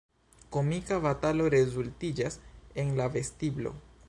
Komika batalo rezultiĝas en la vestiblo.